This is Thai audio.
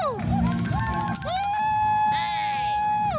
ในวันนี้ก็เป็นการประเดิมถ่ายเพลงแรก